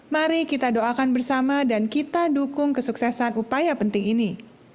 mari kita doakan bersama dan kita dukung kesuksesan upaya penting ini